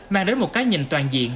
mang đến một cái nhìn toàn diện